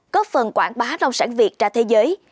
có phần quảng bá nông sản việt ra thế giới